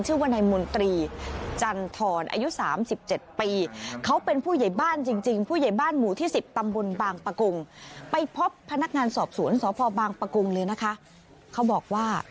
ชื่อว่านายมนตรีจันทอนอายุสามสิบเจ็ดปีเขาเป็นผู้ใหญ่บ้านจริงจริงผู้ใหญ่บ้านหมูที่สิบตำบลบางปกลุงไปพบพนักงานสอบสวนสอพบางปกลุงเลยนะคะเขาบอก